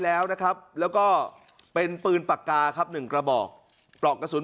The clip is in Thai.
แล้วนะครับแล้วก็เป็นปืนปากกาครับ๑กระบอกปลอกกระสุน